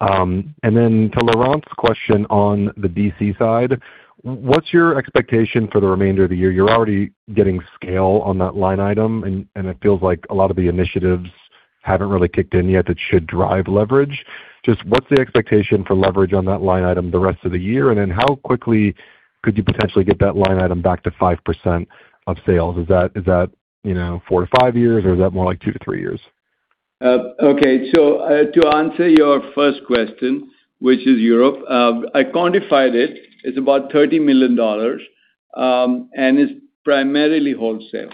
Speaker 7: To Laurent's question on the DTC side, what's your expectation for the remainder of the year? You're already getting scale on that line item, and it feels like a lot of the initiatives haven't really kicked in yet that should drive leverage. What's the expectation for leverage on that line item the rest of the year? How quickly could you potentially get that line item back to 5% of sales? Is that four, five years or is that more like tw years?
Speaker 4: Okay. To answer your first question, which is Europe, I quantified it. It's about $30 million, and it's primarily wholesale.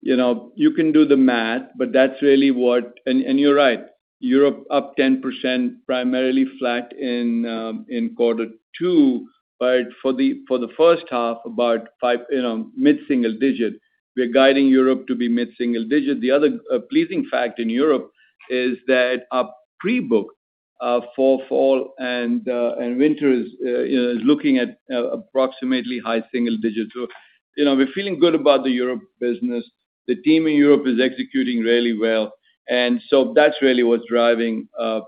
Speaker 4: You can do the math, but that's really what. You're right, Europe up 10%, primarily flat in quarter two, but for the first half, about mid-single digit. We're guiding Europe to be mid-single digit. The other pleasing fact in Europe is that our pre-book for fall and winter is looking at approximately high single digit. We're feeling good about the Europe business. The team in Europe is executing really well. That's really what's driving, that's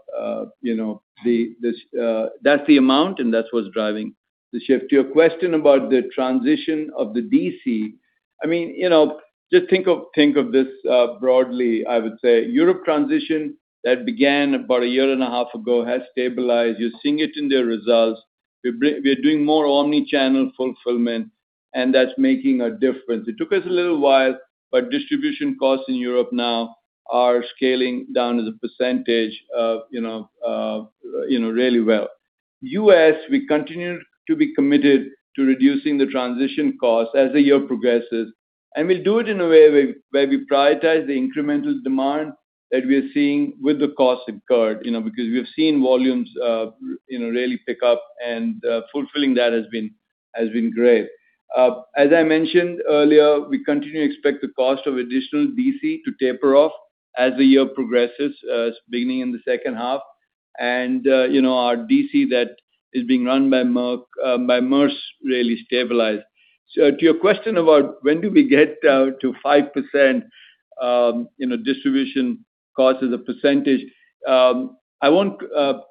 Speaker 4: the amount and that's what's driving. To shift to your question about the transition of the DC. Just think of this broadly, I would say. Europe transition that began about a year and a half ago has stabilized. You're seeing it in their results. We're doing more omnichannel fulfillment, and that's making a difference. It took us a little while, but distribution costs in Europe now are scaling down as a percentage really well. U.S., we continue to be committed to reducing the transition costs as the year progresses, and we'll do it in a way where we prioritize the incremental demand that we are seeing with the costs incurred. Because we have seen volumes really pick up, and fulfilling that has been great. As I mentioned earlier, we continue to expect the cost of additional DC to taper off as the year progresses, beginning in the second half. Our DC that is being run by Maersk really stabilized. To your question about when do we get to 5% in a distribution cost as a percentage, I won't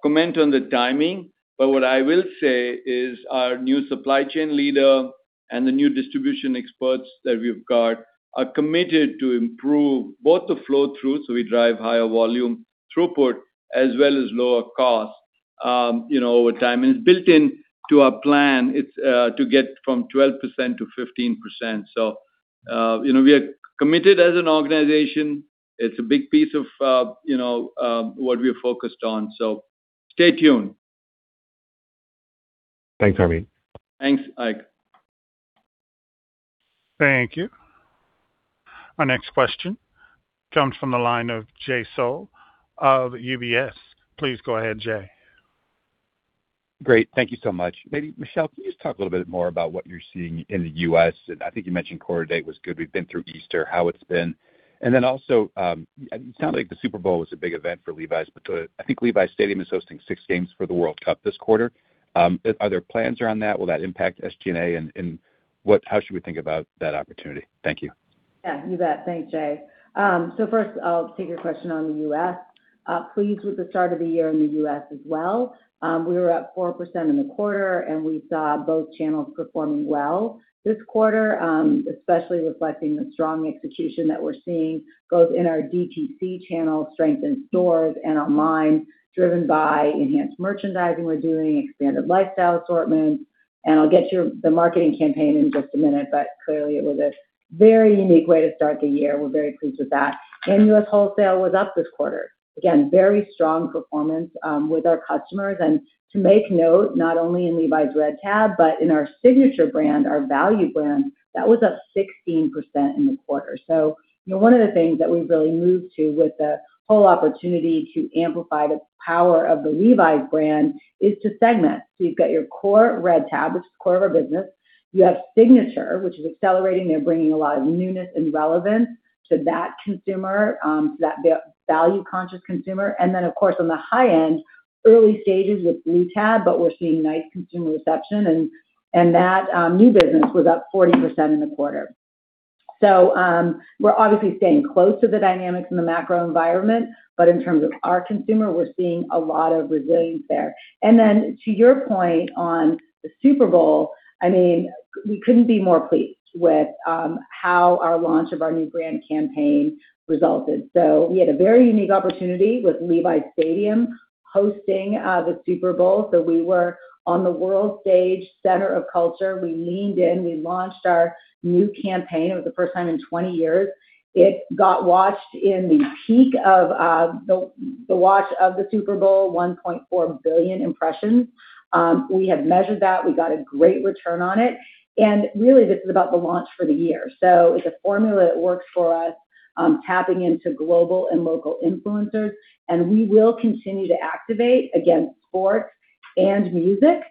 Speaker 4: comment on the timing, but what I will say is our new supply chain leader and the new distribution experts that we've got are committed to improve both the flow through, so we drive higher volume throughput as well as lower cost over time. It's built into our plan, it's to get from 12%-15%. We are committed as an organization. It's a big piece of what we are focused on, so stay tuned.
Speaker 7: Thanks, Harmit.
Speaker 4: Thanks, Ike.
Speaker 1: Thank you. Our next question comes from the line of Jay Sole of UBS. Please go ahead, Jay.
Speaker 8: Great. Thank you so much. Maybe Michelle, can you just talk a little bit more about what you're seeing in the U.S.? I think you mentioned quarter date was good. We've been through Easter, how it's been. Then also, it sounded like the Super Bowl was a big event for LEVI'S, but I think Levi's Stadium is hosting six games for the World Cup this quarter. Are there plans around that? Will that impact SG&A? How should we think about that opportunity? Thank you.
Speaker 3: Yeah, you bet. Thanks, Jay. First I'll take your question on the U.S. Pleased with the start of the year in the U.S. as well. We were up 4% in the quarter, and we saw both channels performing well this quarter, especially reflecting the strong execution that we're seeing both in our DTC channel strength in stores and online, driven by enhanced merchandising we're doing, expanded lifestyle assortment, and I'll get you the marketing campaign in just a minute, but clearly it was a very unique way to start the year. We're very pleased with that. U.S. wholesale was up this quarter. Again, very strong performance with our customers and to make note, not only in Levi's Red Tab, but in our SIGNATURE brand, our value brand, that was up 16% in the quarter. One of the things that we've really moved to with the whole opportunity to amplify the power of the LEVI'S brand is to segment. You've got your core Red Tab, which is the core of our business. You have SIGNATURE, which is accelerating. They're bringing a lot of newness and relevance to that consumer, so that value conscious consumer. Then of course on the high end, early stages with Blue Tab, but we're seeing nice consumer reception and that new business was up 40% in the quarter. We're obviously staying close to the dynamics in the macro environment, but in terms of our consumer, we're seeing a lot of resilience there. Then to your point on the Super Bowl, we couldn't be more pleased with how our launch of our new brand campaign resulted. We had a very unique opportunity with Levi's Stadium hosting the Super Bowl. We were on the world stage, center of culture. We leaned in, we launched our new campaign. It was the first time in 20 years. It got watched in the peak of the watch of the Super Bowl, 1.4 billion impressions. We had measured that. We got a great return on it, and really this is about the launch for the year. It's a formula that works for us, tapping into global and local influencers, and we will continue to activate against Sports and Music.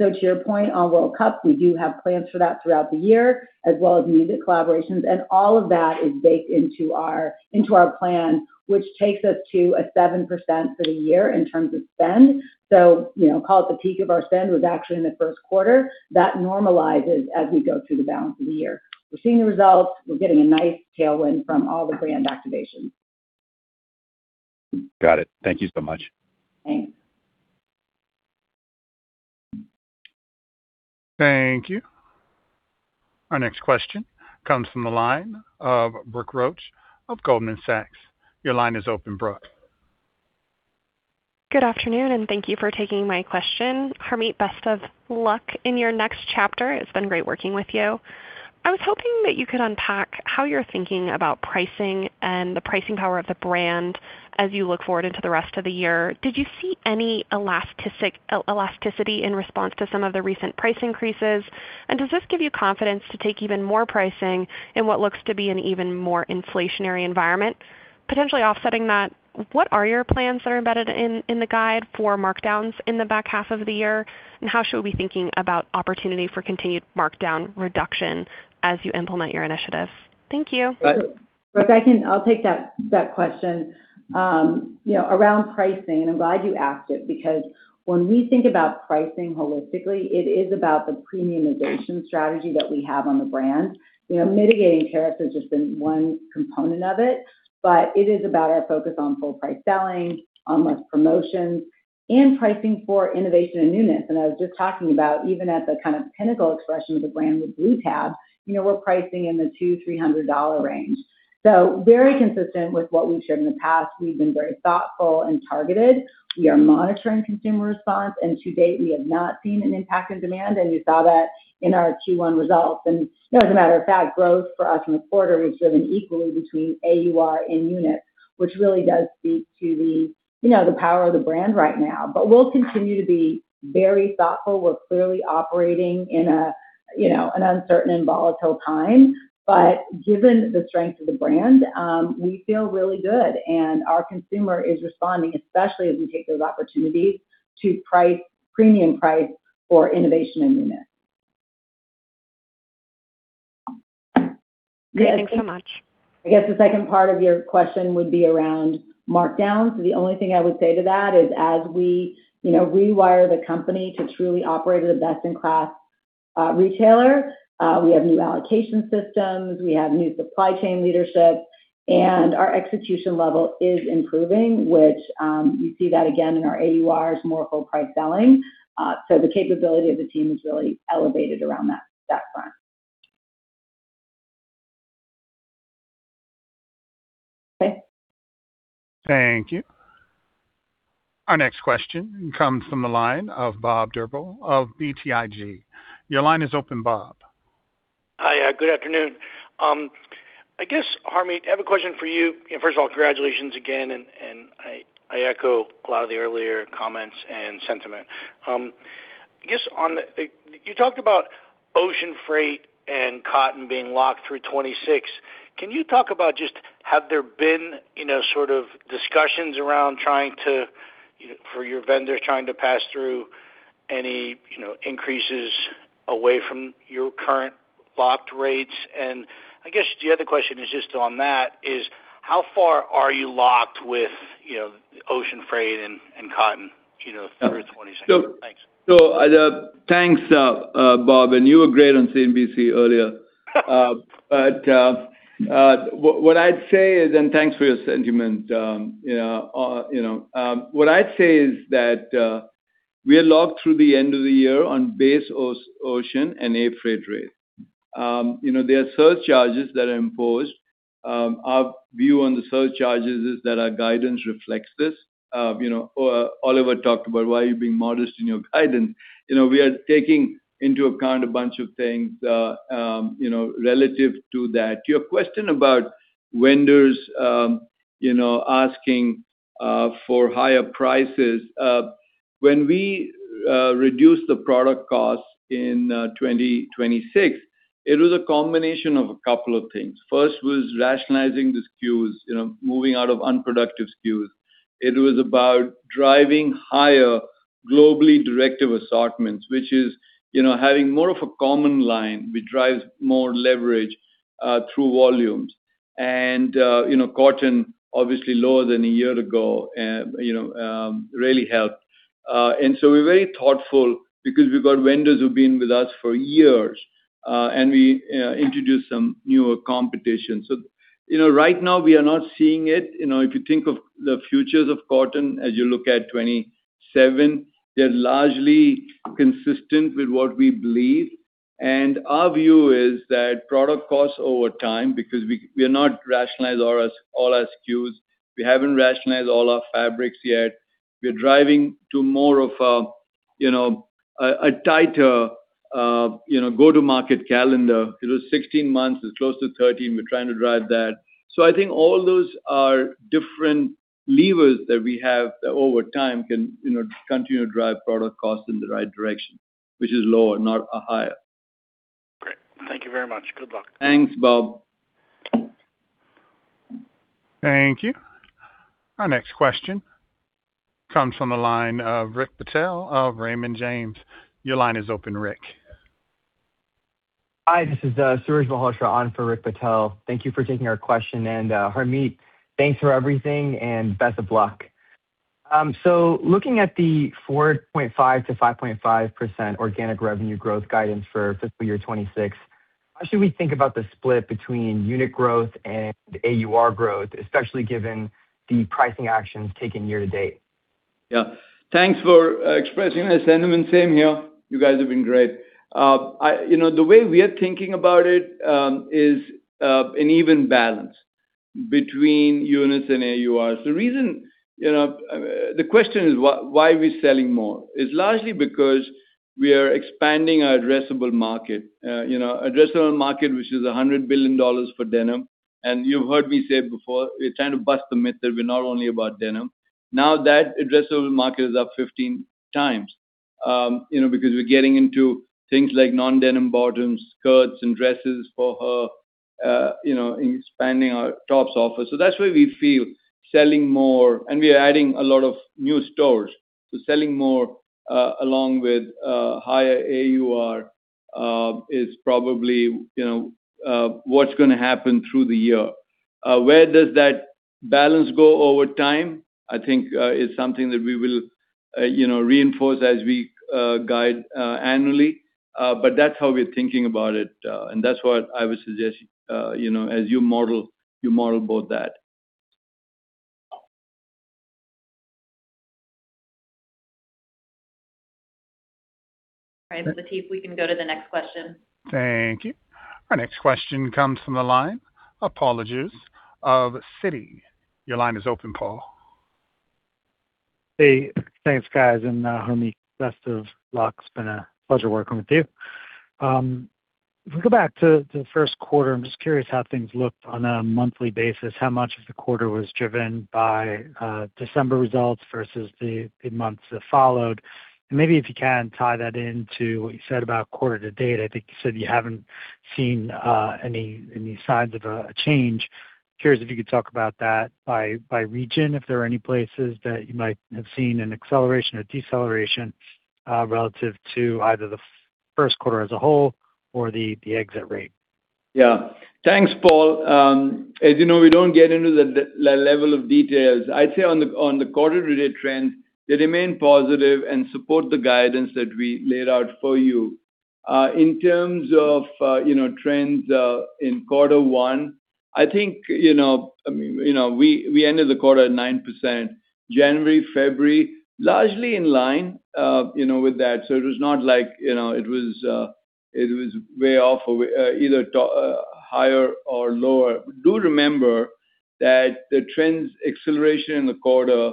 Speaker 3: To your point on World Cup, we do have plans for that throughout the year as well as music collaborations. All of that is baked into our plan, which takes us to a 7% for the year in terms of spend. Call it the peak of our spend was actually in the first quarter. That normalizes as we go through the balance of the year. We're seeing the results. We're getting a nice tailwind from all the brand activations.
Speaker 8: Got it. Thank you so much.
Speaker 3: Thanks.
Speaker 1: Thank you. Our next question comes from the line of Brooke Roach of Goldman Sachs. Your line is open, Brooke.
Speaker 9: Good afternoon, and thank you for taking my question. Harmit, best of luck in your next chapter. It's been great working with you. I was hoping that you could unpack how you're thinking about pricing and the pricing power of the brand as you look forward into the rest of the year. Did you see any elasticity in response to some of the recent price increases? And does this give you confidence to take even more pricing in what looks to be an even more inflationary environment? Potentially offsetting that, what are your plans that are embedded in the guide for markdowns in the back half of the year? And how should we be thinking about opportunity for continued markdown reduction as you implement your initiatives? Thank you.
Speaker 4: Hi.
Speaker 3: For back end, I'll take that question around pricing, and I'm glad you asked it because when we think about pricing holistically, it is about the premiumization strategy that we have on the brand. Mitigating tariffs has just been one component of it, but it is about our focus on full price selling, on less promotions, and pricing for innovation and newness. I was just talking about even at the pinnacle expression of the brand with Blue Tab, we're pricing in the $200-$300 range. Very consistent with what we've shared in the past. We've been very thoughtful and targeted. We are monitoring consumer response, and to date, we have not seen an impact in demand, and you saw that in our Q1 results. As a matter of fact, growth for us in the quarter was driven equally between AUR and units, which really does speak to the power of the brand right now. We'll continue to be very thoughtful. We're clearly operating in an uncertain and volatile time. Given the strength of the brand, we feel really good. Our consumer is responding, especially as we take those opportunities to premium price for innovation and newness.
Speaker 9: Great. Thanks so much.
Speaker 3: I guess the second part of your question would be around markdowns. The only thing I would say to that is as we rewire the company to truly operate as a best-in-class retailer, we have new allocation systems. We have new supply chain leadership, and our execution level is improving, which you see that again in our AURs, more full price selling. The capability of the team is really elevated around that front. Okay.
Speaker 1: Thank you. Our next question comes from the line of Bob Drbul of BTIG. Your line is open, Bob.
Speaker 10: Hi, good afternoon. I guess, Harmit, I have a question for you. First of all, congratulations again, and I echo a lot of the earlier comments and sentiment. I guess, you talked about ocean freight and cotton being locked through 2026. Can you talk about just have there been sort of discussions around for your vendors trying to pass through any increases away from your current locked rates? I guess the other question is just on that is how far are you locked with ocean freight and cotton through 2026? Thanks.
Speaker 4: Thanks, Bob, and you were great on CNBC earlier. What I'd say is, thanks for your sentiment. What I'd say is that, we are locked through the end of the year on base ocean and air freight rates. There are surcharges that are imposed. Our view on the surcharges is that our guidance reflects this. Oliver talked about why you're being modest in your guidance. We are taking into account a bunch of things relative to that. To your question about vendors asking for higher prices, when we reduced the product cost in 2026, it was a combination of a couple of things. First was rationalizing the SKUs, moving out of unproductive SKUs. It was about driving higher globally directive assortments, which is having more of a common line, which drives more leverage through volumes. Cotton, obviously lower than a year ago really helped. We're very thoughtful because we've got vendors who've been with us for years, and we introduced some newer competition. Right now, we are not seeing it. If you think of the futures of cotton as you look at 2027, they're largely consistent with what we believe. Our view is that product costs over time, because we have not rationalized all our SKUs. We haven't rationalized all our fabrics yet. We're driving to more of a tighter go-to-market calendar. It was 16 months. It's close to 13. We're trying to drive that. I think all those are different levers that we have that over time can continue to drive product costs in the right direction, which is lower, not higher.
Speaker 10: Great. Thank you very much. Good luck.
Speaker 4: Thanks, Bob.
Speaker 1: Thank you. Our next question comes from the line of Rick Patel of Raymond James. Your line is open, Rick.
Speaker 11: Hi, this is Suraj Malhotra on for Rick Patel. Thank you for taking our question. Harmit, thanks for everything and best of luck. Looking at the 4.5%-5.5% organic revenue growth guidance for fiscal year 2026, how should we think about the split between unit growth and AUR growth, especially given the pricing actions taken year to date?
Speaker 4: Yeah. Thanks for expressing that sentiment. Same here. You guys have been great. The way we are thinking about it is an even balance between units and AURs. The question is why are we selling more? It's largely because we are expanding our addressable market. Addressable market, which is $100 billion for denim. You've heard me say before, we're trying to bust the myth that we're not only about denim. Now that addressable market is up 15x, because we're getting into things like non-denim bottoms, skirts, and dresses for her, expanding our tops offer. That's why we feel selling more. We are adding a lot of new stores. Selling more, along with higher AUR is probably what's going to happen through the year. Where does that balance go over time? I think is something that we will reinforce as we guide annually. That's how we're thinking about it, and that's what I would suggest, as you model about that.
Speaker 3: All right, Lateef, we can go to the next question.
Speaker 1: Thank you. Our next question comes from the line of Paul Lejuez of Citi. Your line is open, Paul.
Speaker 12: Hey, thanks, guys, and Harmit, best of luck. It's been a pleasure working with you. If we go back to the first quarter, I'm just curious how things looked on a monthly basis, how much of the quarter was driven by December results versus the months that followed. Maybe if you can, tie that into what you said about quarter to date, I think you said you haven't seen any signs of a change. Curious if you could talk about that by region, if there are any places that you might have seen an acceleration or deceleration relative to either the first quarter as a whole or the exit rate.
Speaker 4: Yeah. Thanks, Paul. As you know, we don't get into that level of details. I'd say on the quarter-to-date trends, they remain positive and support the guidance that we laid out for you. In terms of trends in quarter one, we ended the quarter at 9%. January, February, largely in line with that. It was not like it was way off or either higher or lower. Do remember that the trends acceleration in the quarter,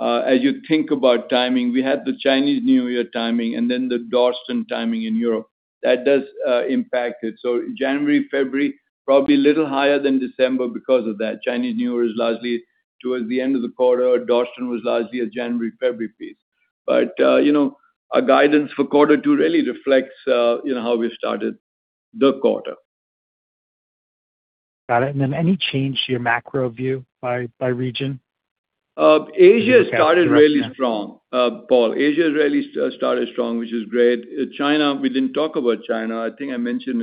Speaker 4: as you think about timing, we had the Chinese New Year timing and then the Davos timing in Europe. That does impact it. January, February, probably a little higher than December because of that. Chinese New Year is largely towards the end of the quarter. Davos was largely a January, February piece. Our guidance for quarter two really reflects how we started the quarter.
Speaker 12: Got it. Any change to your macro view by region?
Speaker 4: Asia started really strong. Paul, Asia really started strong, which is great. China, we didn't talk about China. I think I mentioned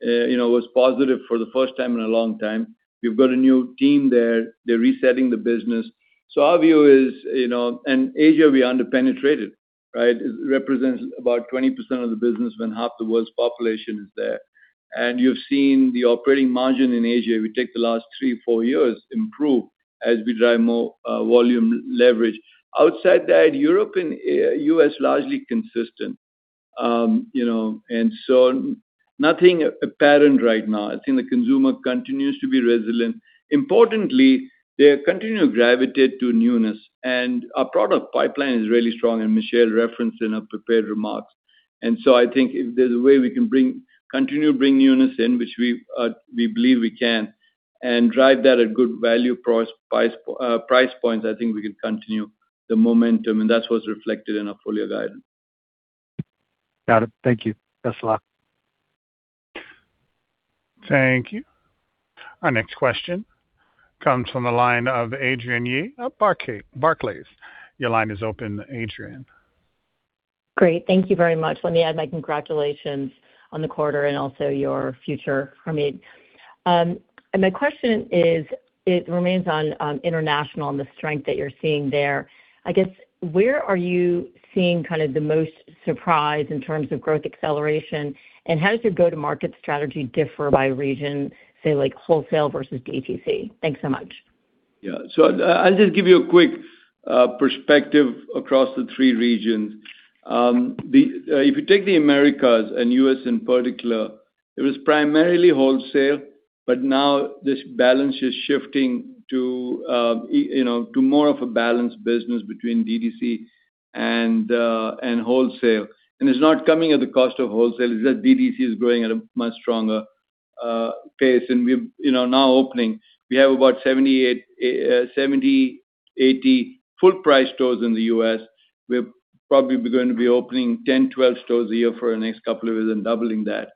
Speaker 4: it was positive for the first time in a long time. We've got a new team there. They're resetting the business. Our view is Asia, we under-penetrated, right? It represents about 20% of the business when half the world's population is there. You've seen the operating margin in Asia, if you take the last three, four years, improve as we drive more volume leverage. Outside that, Europe and U.S., largely consistent. Nothing apparent right now. I think the consumer continues to be resilient. Importantly, they continue to gravitate to newness, and our product pipeline is really strong, and Michelle referenced in her prepared remarks. I think if there's a way we can continue to bring newness in, which we believe we can, and drive that at good value price points, I think we can continue the momentum, and that's what's reflected in our full-year guidance.
Speaker 12: Got it. Thank you. Best of luck.
Speaker 1: Thank you. Our next question comes from the line of Adrienne Yih of Barclays. Your line is open, Adrienne.
Speaker 13: Great. Thank you very much. Let me add my congratulations on the quarter and also your future, Harmit. My question is, it remains on international and the strength that you're seeing there. I guess, where are you seeing the most surprise in terms of growth acceleration, and how does your go-to-market strategy differ by region, say, like wholesale versus DTC? Thanks so much.
Speaker 4: Yeah. I'll just give you a quick perspective across the three regions. If you take the Americas, and U.S. in particular, it was primarily wholesale, but now this balance is shifting to more of a balanced business between DTC and wholesale. It's not coming at the cost of wholesale; it's that DTC is growing at a much stronger pace. We're now opening. We have about 70, 80 full-price stores in the U.S. We're probably going to be opening 10, 12 stores a year for the next couple of years and doubling that.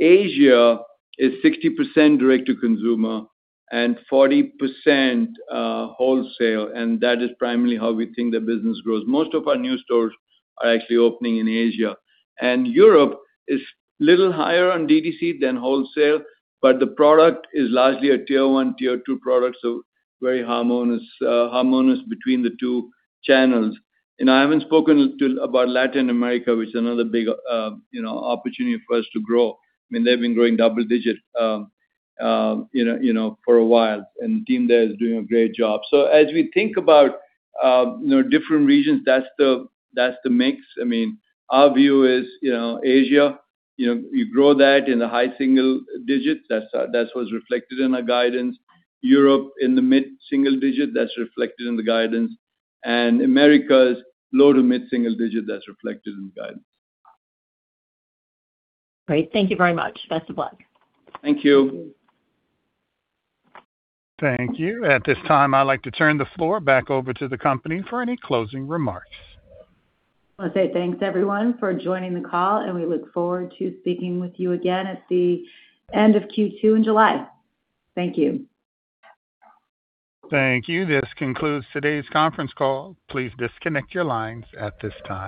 Speaker 4: Asia is 60% direct to consumer and 40% wholesale, and that is primarily how we think the business grows. Most of our new stores are actually opening in Asia. Europe is a little higher on DTC than wholesale, but the product is largely a tier one, tier two product, so very harmonious between the two channels. I haven't spoken about Latin America, which is another big opportunity for us to grow. I mean, they've been growing double-digit for a while, and the team there is doing a great job. As we think about different regions, that's the mix. Our view is Asia, you grow that in the high single digits. That was reflected in our guidance. Europe in the mid-single digit, that's reflected in the guidance. Americas, low to mid-single digit, that's reflected in the guidance.
Speaker 13: Great. Thank you very much. Best of luck.
Speaker 4: Thank you.
Speaker 1: Thank you. At this time, I'd like to turn the floor back over to the company for any closing remarks.
Speaker 3: I'll say thanks, everyone, for joining the call, and we look forward to speaking with you again at the end of Q2 in July. Thank you.
Speaker 1: Thank you. This concludes today's conference call. Please disconnect your lines at this time.